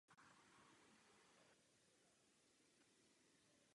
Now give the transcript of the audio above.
Množí se výsevem na podzim nebo dělením trsů na jaře.